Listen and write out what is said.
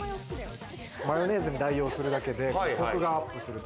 マヨネーズに代用するだけで、コクがアップする。